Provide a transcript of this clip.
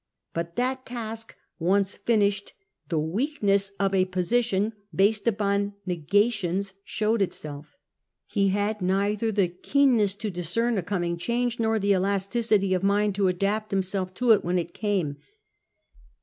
But, that task once finished, the weakness of a position based upon negations showed itself. He had neither the keenness to discern a coming change nor the elasticity of mind to adapt himself to it when it came.